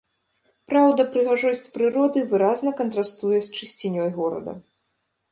Праўда, прыгажосць прыроды выразна кантрастуе з чысцінёй горада.